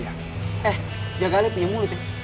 eh jaga ale punya mulut ya